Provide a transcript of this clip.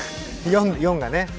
「４」がね。